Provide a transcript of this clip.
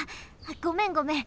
ごめんごめん。